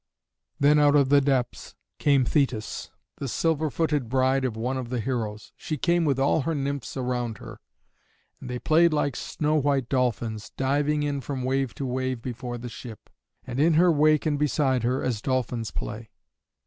Then out of the depths came Thetis, the silver footed bride of one of the heroes. She came with all her nymphs around her, and they played like snow white dolphins, diving in from wave to wave before the ship, and in her wake and beside her, as dolphins play.